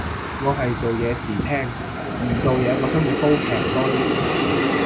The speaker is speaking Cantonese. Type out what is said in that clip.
我係做嘢時聽，唔做嘢我鍾意煲劇多啲